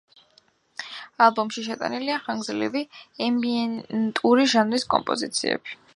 ალბომში შეტანილია ხანგრძლივი ემბიენტური ჟანრის კომპოზიციები.